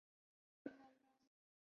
拉沙佩勒纳夫。